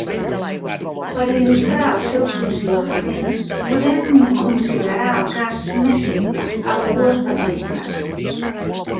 Per il·lustrar el seu funcionament podem considerar el cas més simple, el de dues partícules.